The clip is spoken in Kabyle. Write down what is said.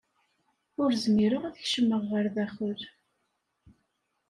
Ur zmireɣ ad kecmeɣ ɣer daxel.